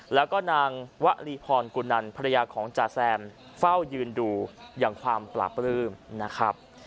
แล้วก็นางวลีพรกุนันภรรยาของจาแซมเฝ้ายืนดูอย่างความปราบปลื้มนะครับ